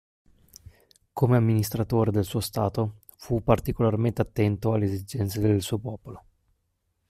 Come amministratore del suo stato fu particolarmente attento alle esigenze del suo popolo.